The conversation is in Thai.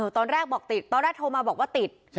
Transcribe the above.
ตอนแรกบอกติดตอนแรกโทรมาบอกว่าติด